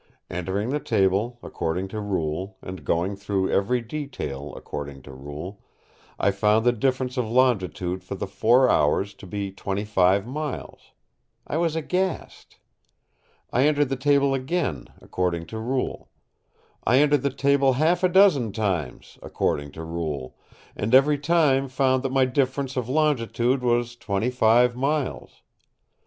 Entering the table, according to rule, and going through every detail, according to rule, I found the difference of longitude for the four hours to be 25 miles. I was aghast. I entered the table again, according to rule; I entered the table half a dozen times, according to rule, and every time found that my difference of longitude was 25 miles.